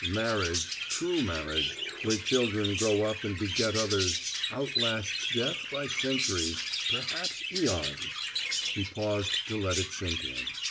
Marriage true marriage, where children grow up and beget others outlasts death by centuries, perhaps eons." He paused to let it sink in.